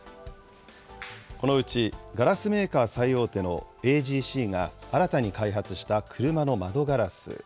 このうちガラスメーカー最大手のＡＧＣが新たに開発した車の窓ガラス。